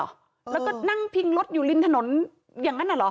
แล้วก็นั่งพิงรถอยู่ริมถนนอย่างนั้นน่ะเหรอ